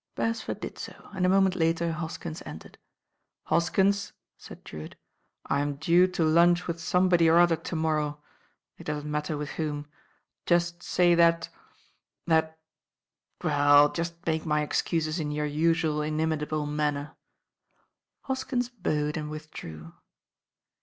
Beresford did so, and a moment later Hoskins entered. "Hoskins," said Drewitt, "I am due to lunch with somebody or other to morrow. It doesn't matter with whom. Just say that— that— well, just make my excuses in your usual inimitable manner." Hoskins bowed and withdrew.